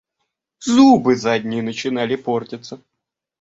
Зубы задние начинали портиться.